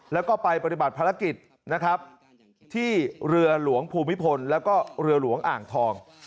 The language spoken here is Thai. แล้วก็ไปปฏิบัติภารกิจนะครับที่เรือหลวงภูมิพลแล้วก็เรือหลวงอ่างทอง